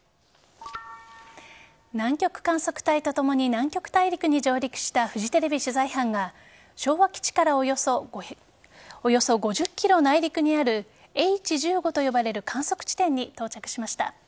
南極観測隊とともに南極大陸に上陸したフジテレビ取材班が昭和基地からおよそ５０ｋｍ内陸にあるＨ１５と呼ばれる観測地点に到着しました。